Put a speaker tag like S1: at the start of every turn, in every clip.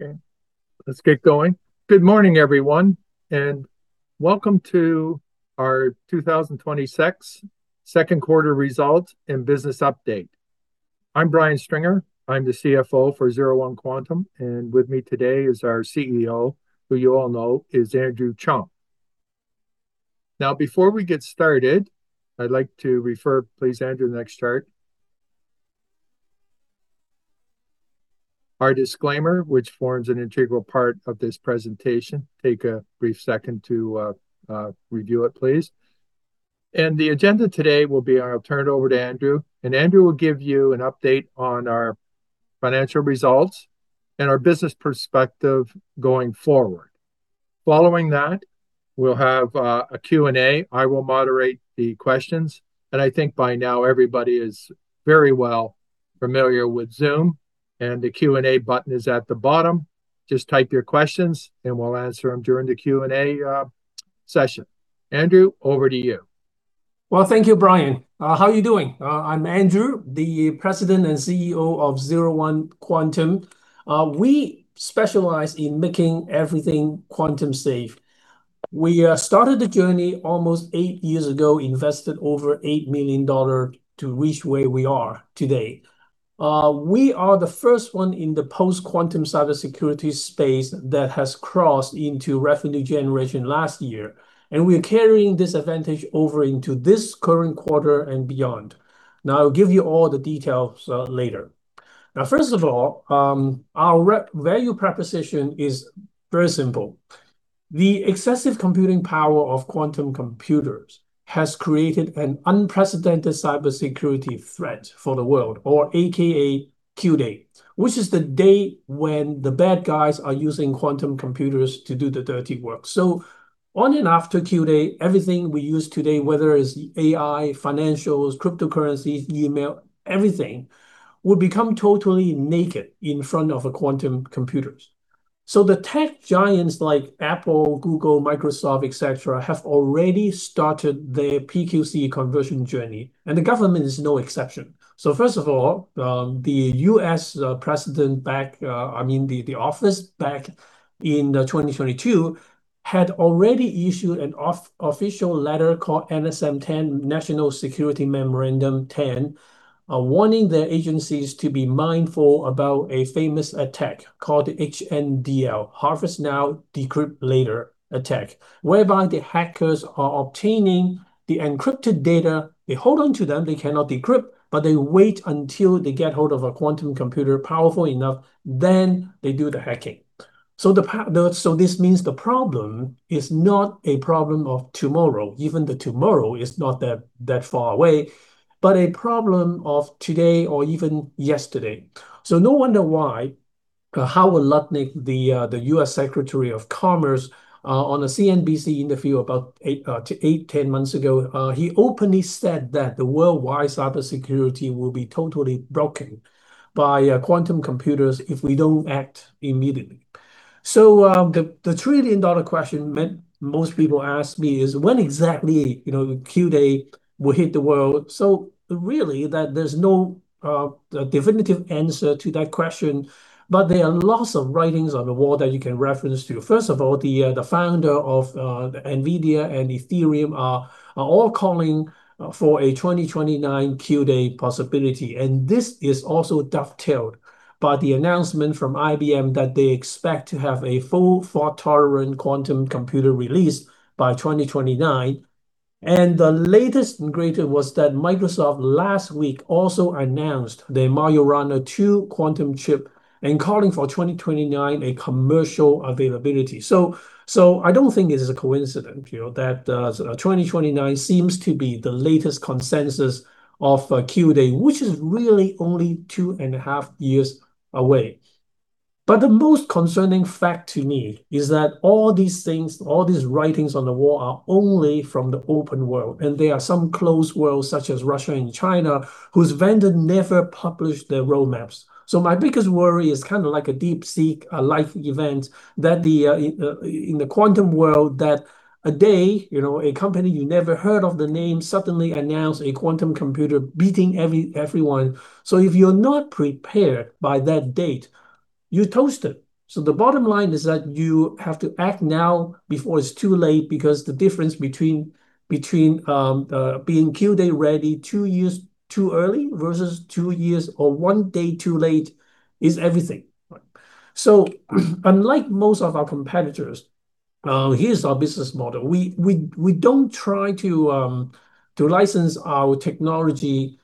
S1: Okay, let's get going. Good morning, everyone, and welcome to our 2026 second quarter results and business update. I'm Brian Stringer, I'm the CFO for 01 Quantum, and with me today is our CEO, who you all know, is Andrew Cheung. Before we get started, I'd like to refer, please, Andrew, next chart. Our disclaimer, which forms an integral part of this presentation. Take a brief second to review it, please. The agenda today will be, I'll turn it over to Andrew, and Andrew will give you an update on our financial results and our business perspective going forward. Following that, we'll have a Q&A. I will moderate the questions, and I think by now everybody is very well familiar with Zoom, and the Q&A button is at the bottom. Just type your questions and we'll answer them during the Q&A session. Andrew, over to you.
S2: Well, thank you, Brian. How are you doing? I'm Andrew, the President and CEO of 01 Quantum. We specialize in making everything quantum safe. We started the journey almost eight years ago, invested over $8 million to reach where we are today. We are the first one in the post-quantum cybersecurity space that has crossed into revenue generation last year, and we are carrying this advantage over into this current quarter and beyond. I'll give you all the details later. First of all, our value proposition is very simple. The excessive computing power of quantum computers has created an unprecedented cybersecurity threat for the world, or AKA Q-Date, which is the date when the bad guys are using quantum computers to do the dirty work. On and after Q-Date, everything we use today, whether it's AI, financials, cryptocurrencies, email, everything, will become totally naked in front of quantum computers. The tech giants like Apple, Google, Microsoft, et cetera, have already started their PQC conversion journey, and the government is no exception. First of all, the U.S. president back, I mean, the office back in 2022, had already issued an official letter called NSM-10, National Security Memorandum 10, warning the agencies to be mindful about a famous attack called HNDL, Harvest Now Decrypt Later attack, whereby the hackers are obtaining the encrypted data. They hold on to them, they cannot decrypt, but they wait until they get hold of a quantum computer powerful enough, then they do the hacking. This means the problem is not a problem of tomorrow, even the tomorrow is not that far away, but a problem of today or even yesterday. No wonder why, Howard Lutnick, the U.S. Secretary of Commerce, on a CNBC interview about eight, 10 months ago, he openly said that the worldwide cybersecurity will be totally broken by quantum computers if we don't act immediately. The trillion-dollar question most people ask me is, "When exactly Q-Date will hit the world?" Really, there's no definitive answer to that question, but there are lots of writings on the wall that you can reference to. First of all, the founder of NVIDIA and Ethereum are all calling for a 2029 Q-Date possibility, and this is also dovetailed by the announcement from IBM that they expect to have a full fault-tolerant quantum computer release by 2029. The latest and greatest was that Microsoft last week also announced the Majorana 2 quantum chip and calling for 2029 a commercial availability. I don't think this is a coincidence, that 2029 seems to be the latest consensus of Q-Date which is really only 2.5 years away. But the most concerning fact to me is that all these things, all these writings on the wall are only from the open world, and there are some closed worlds, such as Russia and China, whose vendor never published their roadmaps. My biggest worry is kind of like a DeepSeek-like event that in the quantum world that a day, a company you never heard of the name suddenly announce a quantum computer beating everyone. If you're not prepared by that date, you're toasted. The bottom line is that you have to act now before it's too late, because the difference between being Q-Day ready two years too early versus two years or one day too late is everything. Unlike most of our competitors, here's our business model. We don't try to license our technology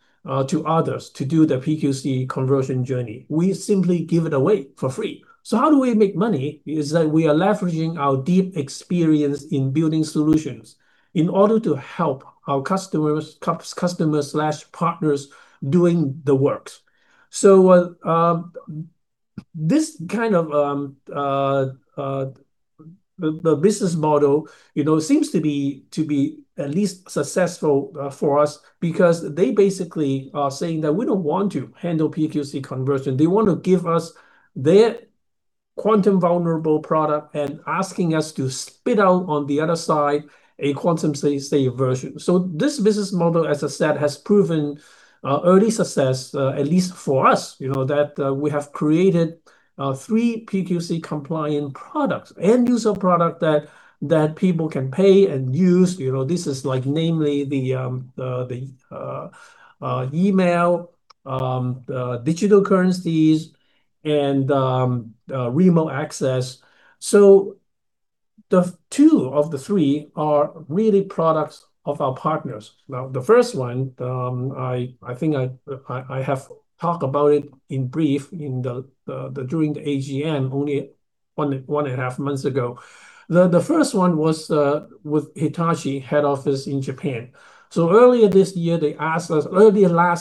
S2: to others to do the PQC conversion journey. We simply give it away for free. How do we make money is that we are leveraging our deep experience in building solutions in order to help our customers/partners doing the works. This kind of the business model seems to be at least successful for us because they basically are saying that we don't want to handle PQC conversion. They want to give us their quantum-vulnerable product and asking us to spit out on the other side a quantum-safe version. This business model, as I said, has proven early success, at least for us, that we have created three PQC-compliant products, end-user product that people can pay and use. This is namely the email, digital currencies, and remote access. The two of the three are really products of our partners. The first one, I think I have talked about it in brief during the AGM, only 1.5 months ago. The first one was with Hitachi head office in Japan. Earlier last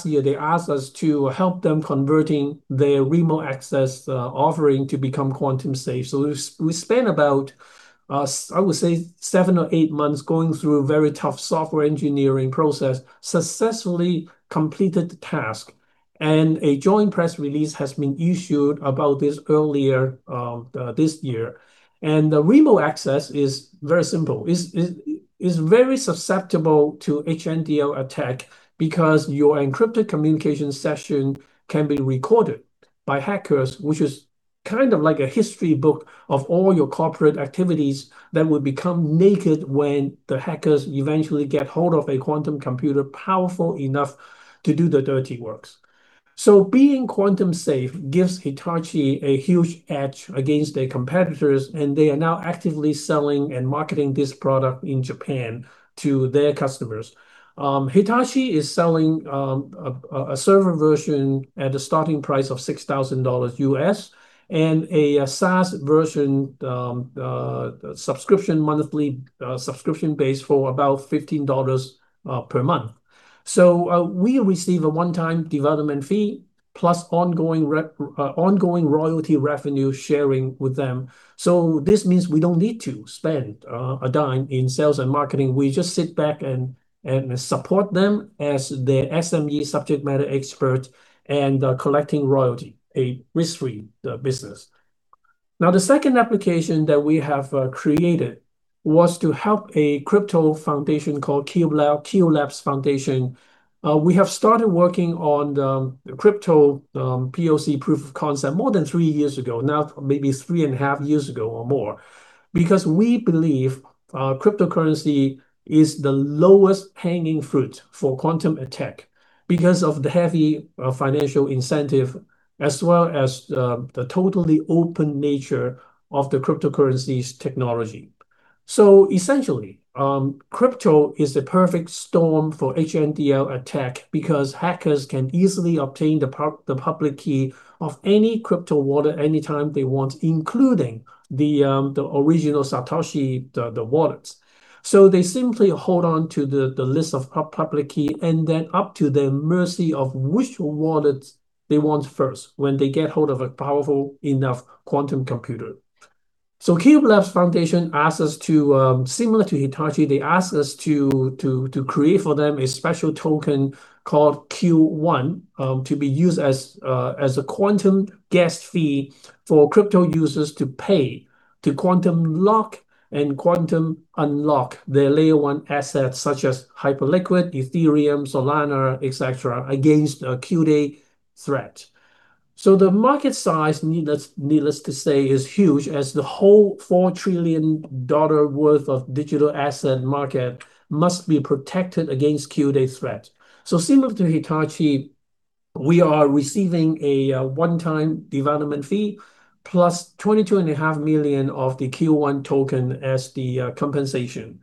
S2: year, they asked us to help them converting their remote access offering to become quantum safe. We spent about, I would say, seven or eight months going through a very tough software engineering process, successfully completed the task, and a joint press release has been issued about this earlier this year. The remote access is very simple, is very susceptible to HNDL attack because your encrypted communication session can be recorded by hackers, which is kind of like a history book of all your corporate activities that would become naked when the hackers eventually get hold of a quantum computer powerful enough to do the dirty works. Being quantum safe gives Hitachi a huge edge against their competitors, and they are now actively selling and marketing this product in Japan to their customers. Hitachi is selling a server version at a starting price of $6,000 US, and a SaaS version subscription monthly subscription base for about 15 dollars per month. We receive a one-time development fee plus ongoing royalty revenue sharing with them. This means we don't need to spend a dime in sales and marketing. We just sit back and support them as their SME, subject matter expert, and collecting royalty, a risk-free business. The second application that we have created was to help a crypto foundation called qLABS Foundation. We have started working on the crypto POC, proof of concept, more than three years ago now, maybe 3.5 years ago or more, because we believe cryptocurrency is the lowest hanging fruit for quantum attack because of the heavy financial incentive as well as the totally open nature of the cryptocurrency's technology. Essentially, crypto is the perfect storm for HNDL attack because hackers can easily obtain the public key of any crypto wallet anytime they want, including the original Satoshi, the wallets. They simply hold on to the list of public key and then up to the mercy of which wallets they want first when they get hold of a powerful enough quantum computer. qLABS Foundation, similar to Hitachi, they asked us to create for them a special token called qONE to be used as a quantum gas fee for crypto users to pay to quantum lock and quantum unlock their layer one assets such as Hyperliquid, Ethereum, Solana, et cetera, against a Q-Day threat. The market size, needless to say, is huge as the whole 4 trillion dollar worth of digital asset market must be protected against Q-Day threat. Similar to Hitachi, we are receiving a one-time development fee plus 22.5 million of the qONE token as the compensation.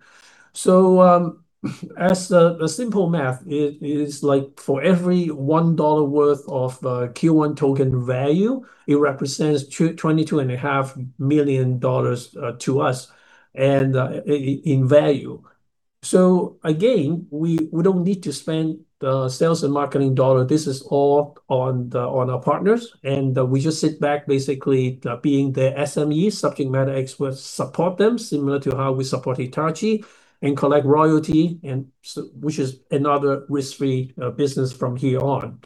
S2: As a simple math, it is like for every 1 dollar worth of qONE token value, it represents 22.5 million dollars to us and in value. Again, we don't need to spend the sales and marketing dollar. This is all on our partners, and we just sit back basically being the SME, subject matter experts, support them similar to how we support Hitachi and collect royalty, which is another risk-free business from here on.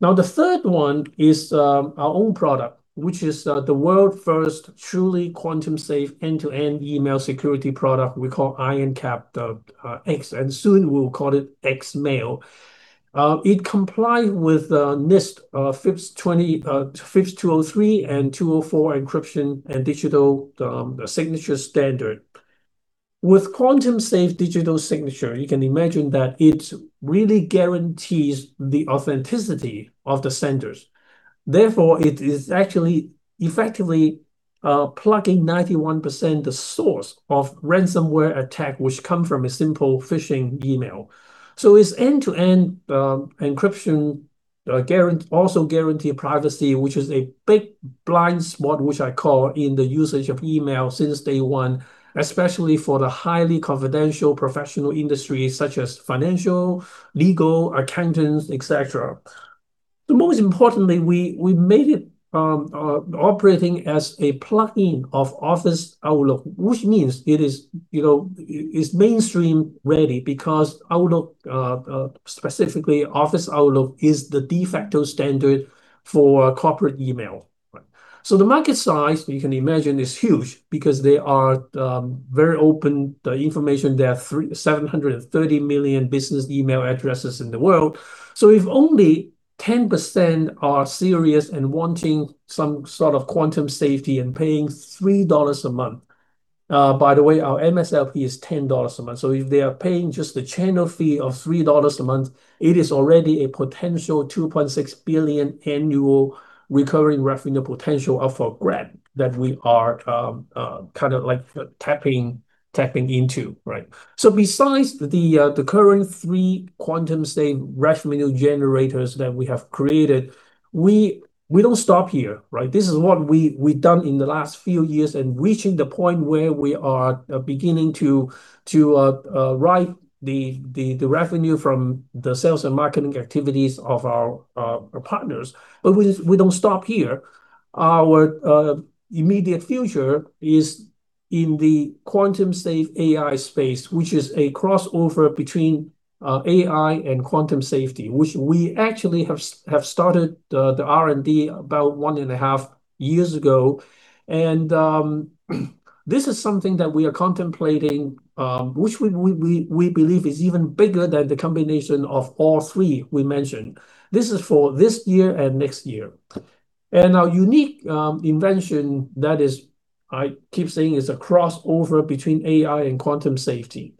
S2: The third one is our own product, which is the world's first truly quantum safe end-to-end email security product we call IronCAP X, and soon we will call it X Mail. It comply with NIST FIPS 203 and 204 encryption and digital signature standard. With quantum safe digital signature, you can imagine that it really guarantees the authenticity of the senders. Therefore, it is actually effectively plugging 91% the source of ransomware attack, which come from a simple phishing email. Its end-to-end encryption also guarantee privacy, which is a big blind spot which I call in the usage of email since day one, especially for the highly confidential professional industry such as financial, legal, accountants, et cetera. Most importantly, we made it operating as a plugin of Microsoft Outlook, which means it's mainstream-ready because Outlook, specifically Microsoft Outlook, is the de facto standard for corporate email. The market size, you can imagine, is huge because they are very open, the information. There are 730 million business email addresses in the world. If only 10% are serious and wanting some sort of quantum safety and paying 3 dollars a month. By the way, our MSRP is 10 dollars a month. If they are paying just the channel fee of 3 dollars a month, it is already a potential 2.6 billion annual recurring revenue potential of a grant that we are kind of tapping into. Besides the current three Quantum Safe revenue generators that we have created, we don't stop here. This is what we've done in the last few years and reaching the point where we are beginning to ride the revenue from the sales and marketing activities of our partners. We don't stop here. Our immediate future is in the Quantum Safe AI space, which is a crossover between AI and quantum safety, which we actually have started the R&D about one and a half years ago. This is something that we are contemplating, which we believe is even bigger than the combination of all three we mentioned. This is for this year and next year. Our unique invention that is, I keep saying, is a crossover between AI and quantum safety.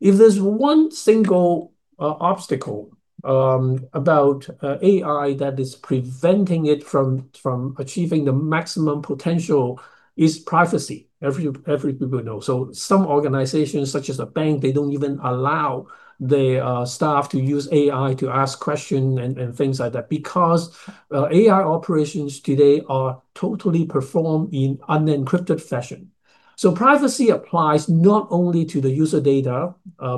S2: If there's one single obstacle about AI that is preventing it from achieving the maximum potential is privacy. Every people know. Some organizations, such as a bank, they don't even allow their staff to use AI to ask questions and things like that, because AI operations today are totally performed in unencrypted fashion. Privacy applies not only to the user data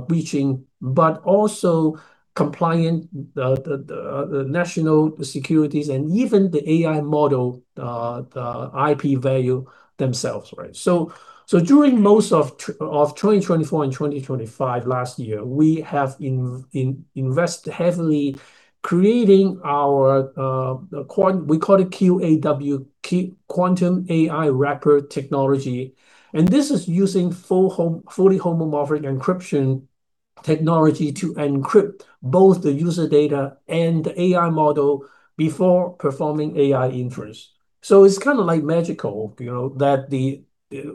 S2: breaching, but also compliant, the national securities, and even the AI model, the IP value themselves. During most of 2024 and 2025 last year, we have invest heavily creating our, we call it QAW, Quantum AI Wrapper technology. This is using fully homomorphic encryption technology to encrypt both the user data and the AI model before performing AI inference. It's kind of magical, that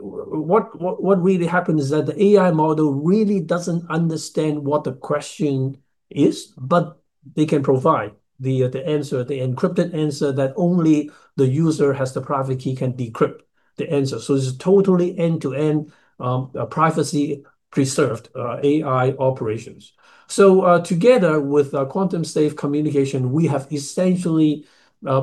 S2: what really happened is that the AI model really doesn't understand what the question is, but they can provide the answer, the encrypted answer that only the user has the private key can decrypt the answer. This is totally end-to-end privacy-preserved AI operations. Together with our Quantum Safe communication, we have essentially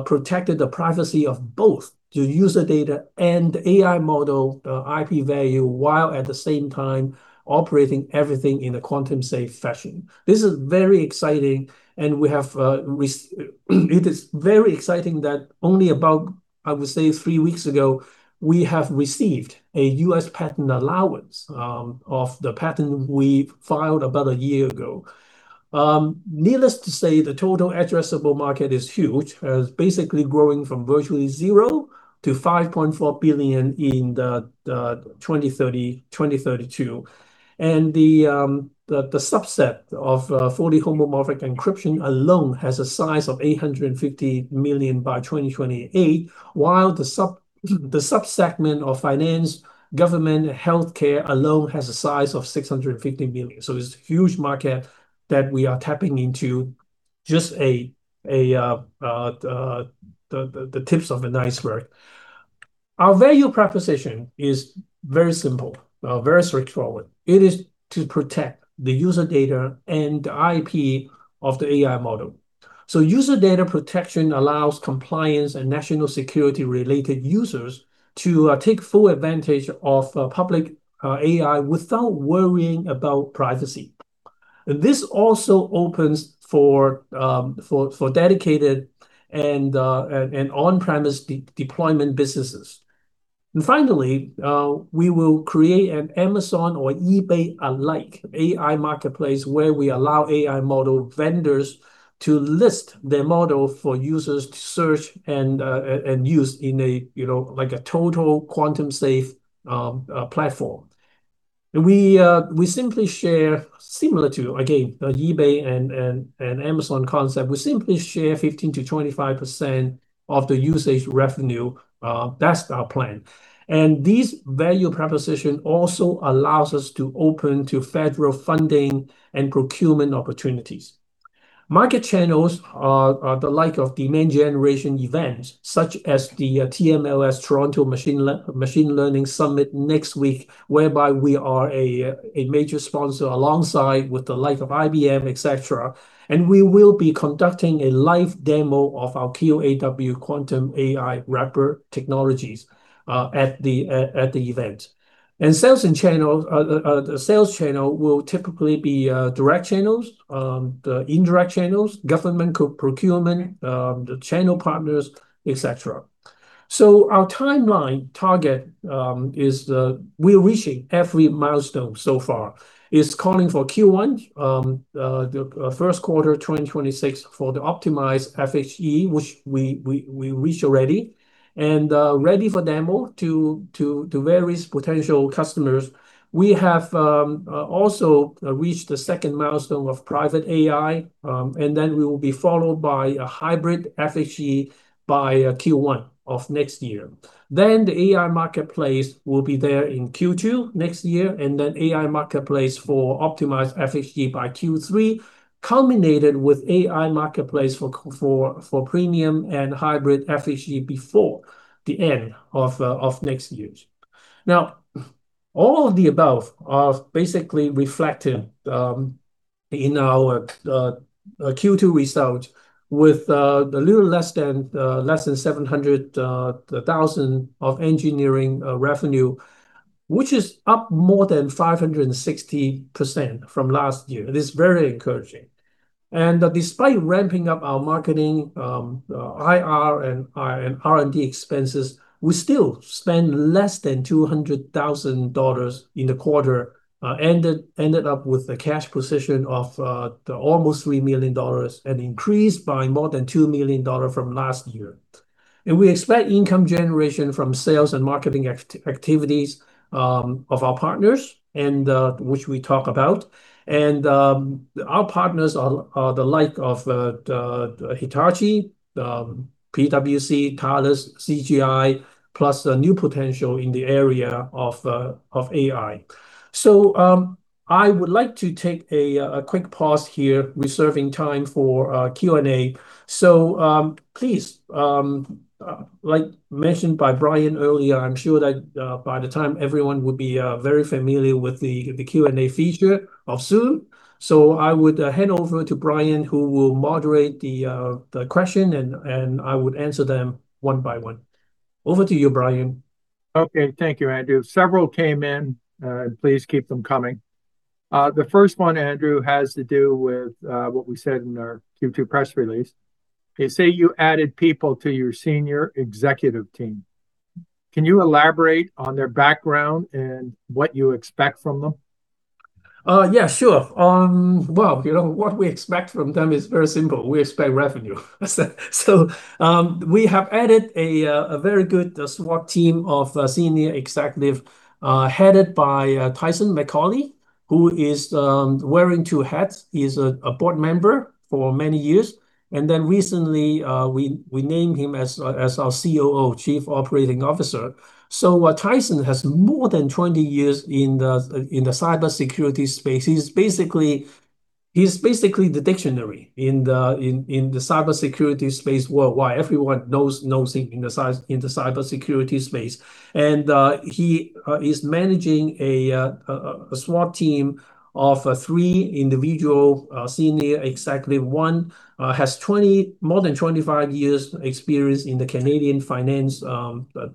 S2: protected the privacy of both the user data and the AI model, the IP value, while at the same time operating everything in a Quantum Safe fashion. This is very exciting and it is very exciting that only about, I would say, three weeks ago, we have received a U.S. patent allowance of the patent we filed about a year ago. Needless to say, the total addressable market is huge, basically growing from virtually zero to 5.4 billion in the 2030-2032. The subset of fully homomorphic encryption alone has a size of 850 million by 2028, while the sub-segment of finance, government, healthcare alone has a size of 650 million. It's a huge market that we are tapping into just the tips of an iceberg. Our value proposition is very simple, very straightforward. It is to protect the user data and the IP of the AI model. User data protection allows compliance and national security-related users to take full advantage of public AI without worrying about privacy. This also opens for dedicated and on-premise deployment businesses. Finally, we will create an Amazon or eBay-alike AI marketplace where we allow AI model vendors to list their model for users to search and use in a total Quantum Safe platform. We simply share similar to, again, eBay and Amazon concept. We simply share 15%-25% of the usage revenue. That's our plan. This value proposition also allows us to open to federal funding and procurement opportunities. Market channels are the like of demand generation events, such as the TMLS Toronto Machine Learning Summit next week, whereby we are a major sponsor alongside with the like of IBM, et cetera. We will be conducting a live demo of our QAW Quantum AI Wrapper technologies at the event. The sales channel will typically be direct channels, the indirect channels, government procurement, the channel partners, et cetera. Our timeline target is we're reaching every milestone so far. It's calling for Q1, the first quarter of 2026 for the optimized FHE, which we reached already, and ready for demo to various potential customers. We have also reached the second milestone of private AI, we will be followed by a hybrid FHE by Q1 of next year. The AI marketplace will be there in Q2 next year, and AI marketplace for optimized FHE by Q3 culminated with AI marketplace for premium and hybrid FHE before the end of next year. All of the above are basically reflected in our Q2 result with a little less than 700,000 of engineering revenue, which is up more than 560% from last year. It is very encouraging. Despite ramping up our marketing IR and R&D expenses, we still spend less than 200,000 dollars in the quarter, ended up with a cash position of almost 3 million dollars, an increase by more than 2 million dollars from last year. We expect income generation from sales and marketing activities of our partners, and which we talk about. Our partners are the like of Hitachi, PwC, Thales, CGI, plus new potential in the area of AI. I would like to take a quick pause here, reserving time for Q&A. Please, like mentioned by Brian earlier, I'm sure that by the time everyone will be very familiar with the Q&A feature of Zoom. I would hand over to Brian, who will moderate the question, and I would answer them one by one. Over to you, Brian.
S1: Okay. Thank you, Andrew. Several came in. Please keep them coming. The first one, Andrew, has to do with what we said in our Q2 press release. It say you added people to your senior executive team. Can you elaborate on their background and what you expect from them?
S2: What we expect from them is very simple. We expect revenue. We have added a very good SWAT team of senior executives, headed by Tyson Macaulay, who is wearing two hats. He is a board member for many years, and recently, we named him as our COO, Chief Operating Officer. Tyson Macaulay has more than 20 years in the cybersecurity space. He is basically the dictionary in the cybersecurity space worldwide. Everyone knows him in the cybersecurity space. He is managing a SWAT team of three individual senior executives. One has more than 25 years' experience in the Canadian finance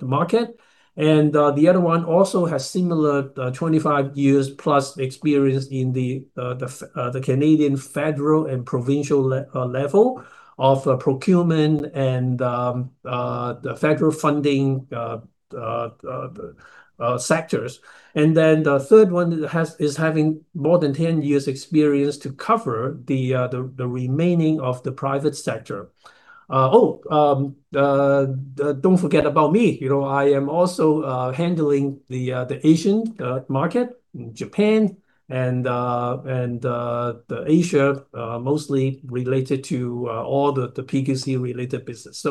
S2: market. The other one also has similar 25 years plus experience in the Canadian federal and provincial level of procurement and the federal funding sectors. The third one is having more than 10 years' experience to cover the remaining of the private sector. Don't forget about me. I am also handling the Asian market in Japan and Asia, mostly related to all the PQC related business.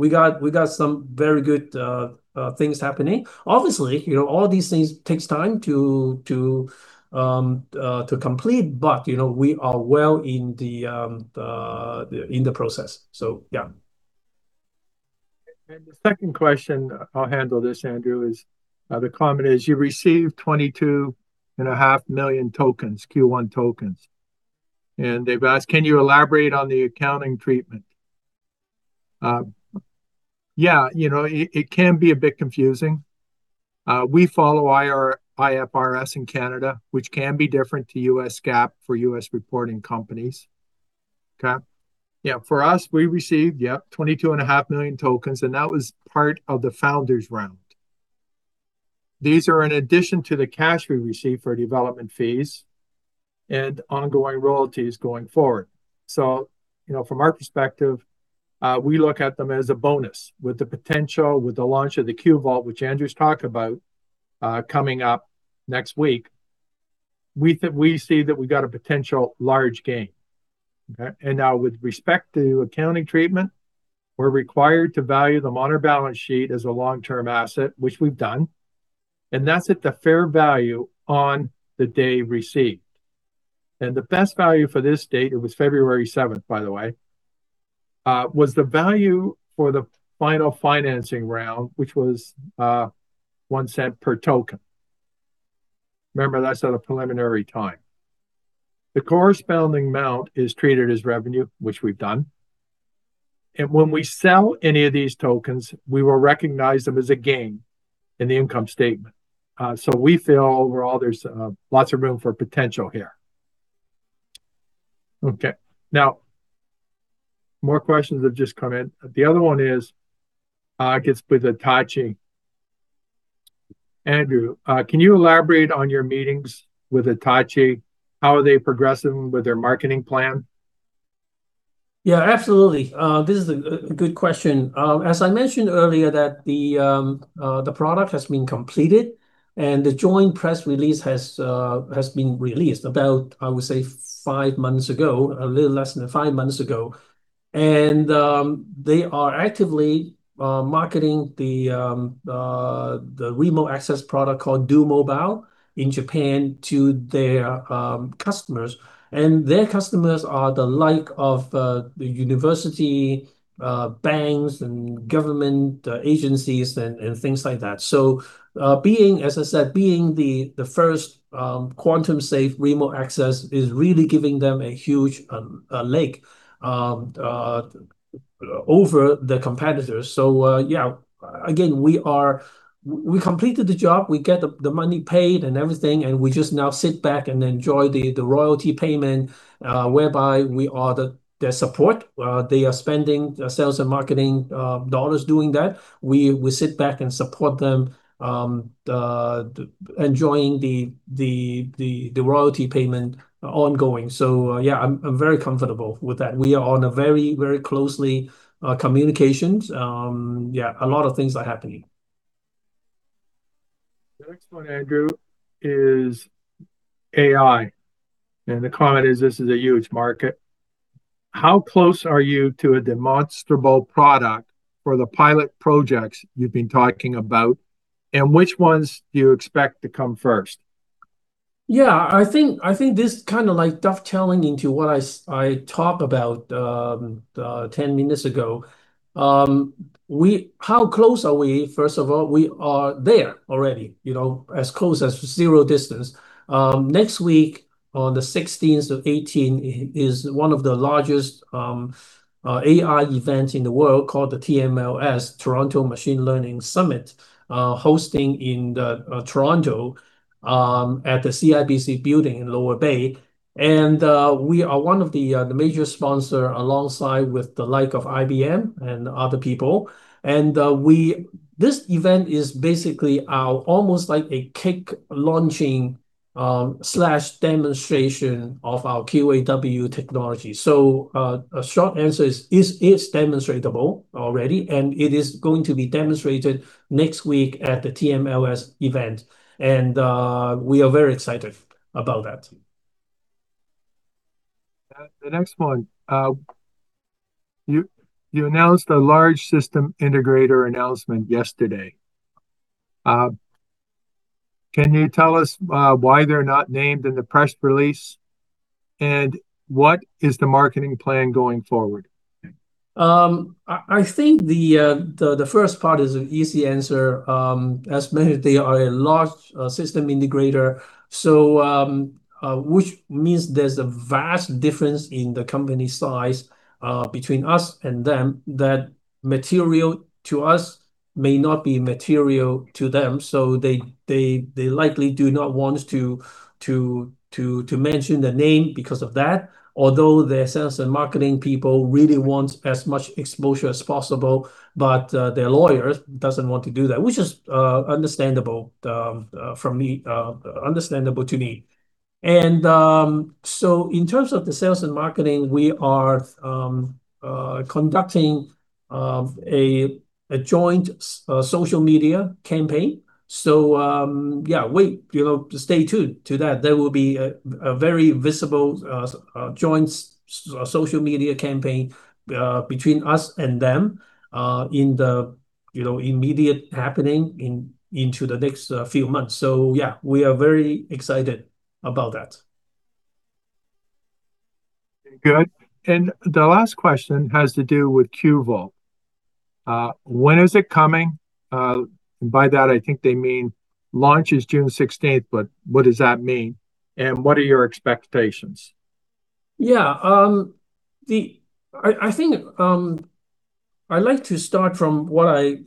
S2: We got some very good things happening. Obviously, all these things take time to complete. We are well in the process.
S1: The second question, I will handle this, Andrew, is the comment is you received 22.5 million tokens, $qONE tokens. They have asked, can you elaborate on the accounting treatment? It can be a bit confusing. We follow IFRS in Canada, which can be different to U.S. GAAP for U.S. reporting companies. For us, we received 22.5 million tokens, and that was part of the founders' round. These are in addition to the cash we received for development fees and ongoing royalties going forward. From our perspective, we look at them as a bonus with the potential, with the launch of the qVault, which Andrew's talked about, coming up next week, we see that we have got a potential large gain. With respect to accounting treatment, we are required to value them on our balance sheet as a long-term asset, which we have done, and that's at the fair value on the day received. The best value for this date, it was February 7th, by the way, was the value for the final financing round, which was 0.01 per token. Remember, that's at a preliminary time. The corresponding amount is treated as revenue, which we have done, and when we sell any of these tokens, we will recognize them as a gain in the income statement. We feel overall there's lots of room for potential here. More questions have just come in. The other one is with Hitachi. Andrew, can you elaborate on your meetings with Hitachi? How are they progressing with their marketing plan?
S2: Absolutely. This is a good question. As I mentioned earlier that the product has been completed and the joint press release has been released about, I would say, five months ago, a little less than five months ago. They are actively marketing the remote access product called DoMobile in Japan to their customers. Their customers are the like of the university, banks, and government agencies and things like that. As I said, being the first quantum safe remote access is really giving them a huge leg over the competitors. Yeah. Again, we completed the job, we get the money paid and everything, and we just now sit back and enjoy the royalty payment, whereby we are their support. They are spending sales and marketing CAD doing that. We sit back and support them, enjoying the royalty payment ongoing. Yeah, I'm very comfortable with that. We are on a very closely communications. A lot of things are happening.
S1: The next one, Andrew, is AI. The comment is, "This is a huge market. How close are you to a demonstrable product for the pilot projects you've been talking about, and which ones do you expect to come first?
S2: I think this dovetailing into what I talked about 10 minutes ago. How close are we? First of all, we are there already, as close as zero distance. Next week on the 16th to 18th is one of the largest AI events in the world called the TMLS, Toronto Machine Learning Summit, hosting in Toronto, at the CIBC building in Lower Bay. We are one of the major sponsor alongside with the like of IBM and other people. This event is basically our almost like a kick launching/demonstration of our QAW technology. Short answer is, it's demonstratable already, and it is going to be demonstrated next week at the TMLS event. We are very excited about that.
S1: The next one. You announced a large system integrator announcement yesterday. Can you tell us why they're not named in the press release, and what is the marketing plan going forward?
S2: I think the first part is an easy answer. As mentioned, they are a large system integrator, which means there's a vast difference in the company size between us and them, that material to us may not be material to them. They likely do not want to mention the name because of that, although their sales and marketing people really want as much exposure as possible. Their lawyers doesn't want to do that, which is understandable to me. In terms of the sales and marketing, we are conducting a joint social media campaign. Yeah, stay tuned to that. There will be a very visible joint social media campaign between us and them in the immediate happening into the next few months. Yeah, we are very excited about that.
S1: Good. The last question has to do with qVault. When is it coming? By that, I think they mean launch is June 16th, but what does that mean, and what are your expectations?
S2: Yeah. I think I'd like to start from what I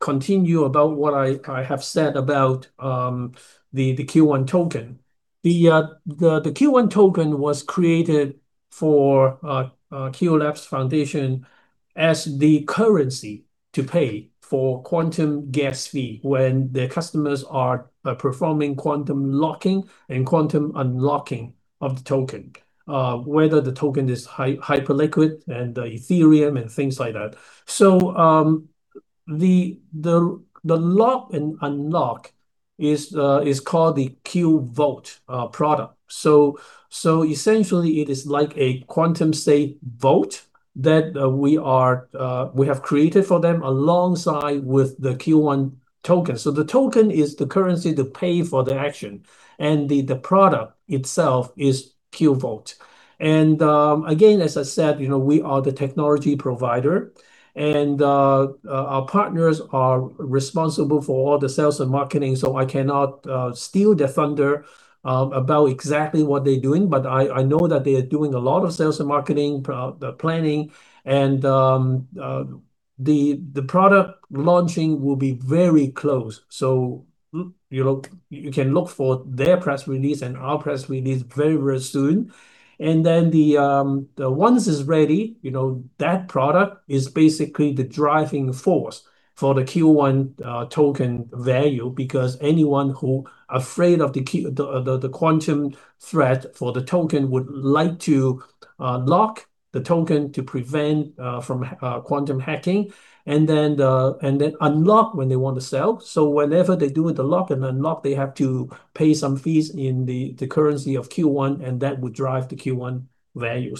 S2: continue about what I have said about the $qONE token. The $qONE token was created for qLABS Foundation as the currency to pay for quantum gas fee when the customers are performing quantum locking and quantum unlocking of the token, whether the token is Hyperliquid and Ethereum and things like that. The lock and unlock is called the qVault product. Essentially it is like a quantum safe vote that we have created for them alongside with the $qONE token. Again, as I said, we are the technology provider, and our partners are responsible for all the sales and marketing, so I cannot steal their thunder about exactly what they're doing. I know that they are doing a lot of sales and marketing planning and the product launching will be very close. You can look for their press release and our press release very, very soon. Once it's ready, that product is basically the driving force for the $qONE token value because anyone who afraid of the quantum threat for the token would like to lock the token to prevent from quantum hacking and then unlock when they want to sell. Whenever they do the lock and unlock, they have to pay some fees in the currency of $qONE, and that would drive the $qONE value.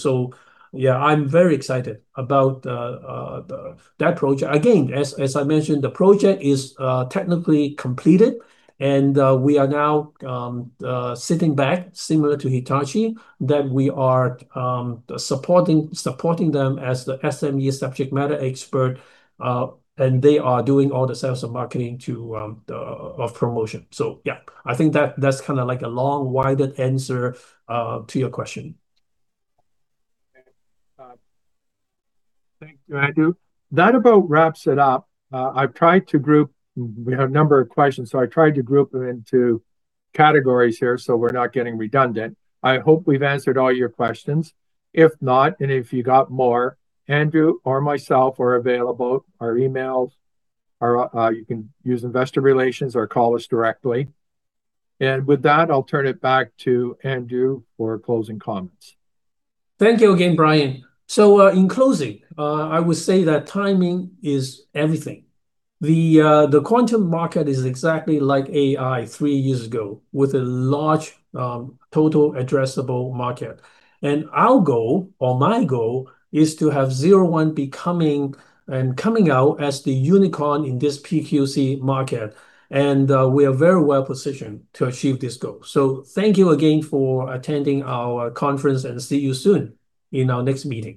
S2: Yeah, I'm very excited about that project. Again, as I mentioned, the project is technically completed and we are now sitting back, similar to Hitachi, that we are supporting them as the SME, subject matter expert, and they are doing all the sales and marketing of promotion. Yeah, I think that's a long-winded answer to your question.
S1: Thank you, Andrew Cheung. That about wraps it up. We have a number of questions, so I tried to group them into categories here so we're not getting redundant. I hope we've answered all your questions. If not, and if you got more, Andrew Cheung or myself are available. Our emails are You can use investor relations or call us directly. With that, I'll turn it back to Andrew Cheung for closing comments.
S2: Thank you again, Brian Stringer. In closing, I would say that timing is everything. The quantum market is exactly like AI three years ago, with a large total addressable market. Our goal, or my goal, is to have 01 Quantum becoming and coming out as the unicorn in this PQC market. We are very well-positioned to achieve this goal. Thank you again for attending our conference, and see you soon in our next meeting.